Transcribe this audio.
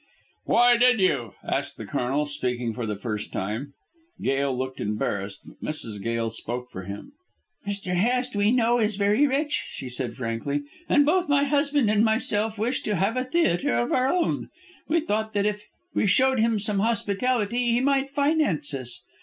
"Why did you?" asked the Colonel, speaking for the first time. Gail looked embarrassed, but Mrs. Gail spoke for him. "Mr. Hest, we know, is very rich," she said frankly, "and both my husband and myself wish to have a theatre of our own. We thought that if we showed him some hospitality he might finance us.